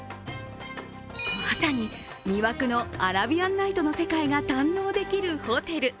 まさに魅惑のアラビアンナイトの世界が堪能できるホテル。